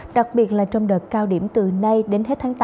đặc biệt là trong đợt cao điểm từ nay đến hết tháng tám